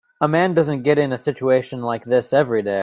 A man doesn't get in a situation like this every day.